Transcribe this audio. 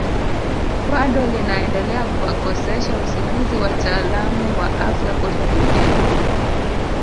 Bado linaendelea kuwakosesha usingizi wataalamu wa afya kote duniani